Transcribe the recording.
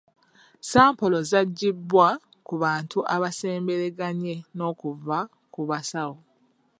Sampolo zaggibwa ku bantu abaasembereganye n'okuva ku basawo.